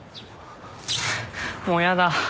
もうやだ。